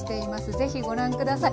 ぜひご覧下さい。